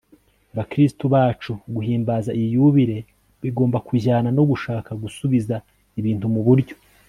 bakristu bacu. guhimbaza iyi yubile bigomba kujyana no gushaka gusubiza ibintu mu buryo